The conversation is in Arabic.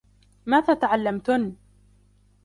ماذا تعلّمتنّ ؟